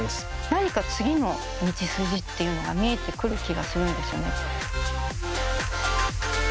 何か次の道筋っていうのが見えてくる気がするんですよね。